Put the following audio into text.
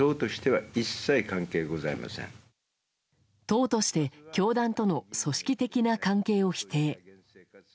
党として教団との組織的な関係を否定。